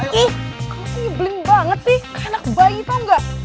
kanak bayi tau gak